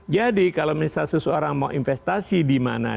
jadi kalau misalnya seseorang mau investasi di mana